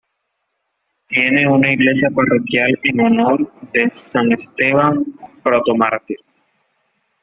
Tiene una iglesia parroquial en honor de San Esteban Protomártir.